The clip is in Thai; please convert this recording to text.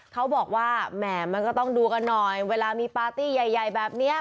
เขาบอกว่าแหม่มันก็ต้องดูกันหน่อยเวลามีปาร์ตี้ใหญ่แบบนี้